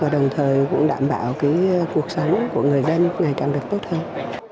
đồng thời cũng đảm bảo cuộc sống của người dân ngày càng được tốt hơn